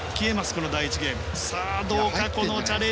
この第１ゲーム。